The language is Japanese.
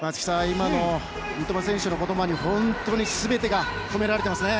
今の三笘選手の言葉に本当に全てが込められていますね。